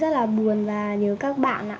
rất là buồn và nhiều các bạn ạ